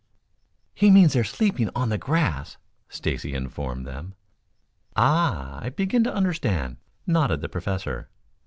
"He means they're sleeping on the grass," Stacy informed them. "Ah! I begin to understand," nodded the Professor.